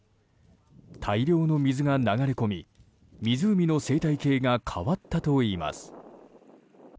大量の水が流れ込み湖の生態系が変わったといいます。